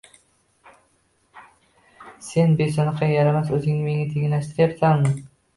Sen besoʻnaqay yaramas, oʻzingni menga tenglashtiryapsanmi!